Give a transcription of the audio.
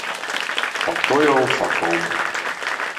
A tojó fakóbb.